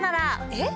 えっ？